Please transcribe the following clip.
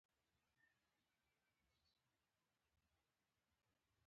د افغانستان چای ډیر څښل کیږي